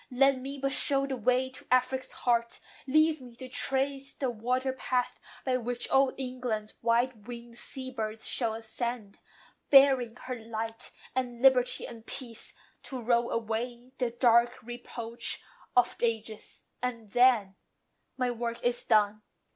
Let me but show the way to Afric's heart: Leave me to trace the water path by which Old England's white wing'd sea birds shall ascend, Bearing her light, and liberty, and peace, To roll away the dark reproach of ages; And then, MY WORK IS DONE."